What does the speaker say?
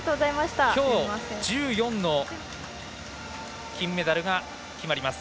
きょう、１４の金メダルが決まります。